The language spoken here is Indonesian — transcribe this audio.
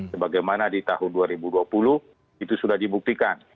sebagaimana di tahun dua ribu dua puluh itu sudah dibuktikan